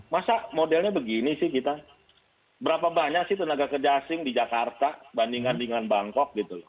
masa modelnya begini sih kita berapa banyak sih tenaga kerja asing di jakarta bandingkan dengan bangkok gitu